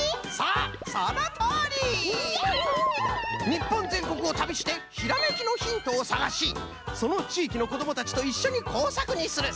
日本全国を旅してひらめきのヒントを探しその地域の子どもたちといっしょに工作にする。